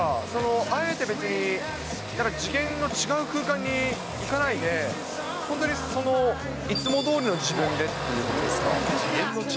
あえて別に、次元の違う空間にいかないで、本当にその、いつもどおりの自分でっていうことですか？